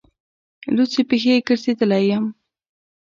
لوڅې پښې ګرځېدلی یم.